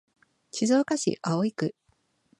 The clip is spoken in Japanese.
静岡市葵区